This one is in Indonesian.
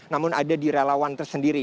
namun ada di relawan tersendiri